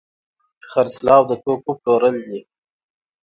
خرڅلاو د توکو پلورل دي.